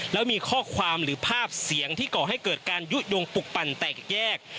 แล้วมีข้อความหรือภาพเสียงที่ก่อให้เกิดการยุโยงปลุกปั่นแตกแยก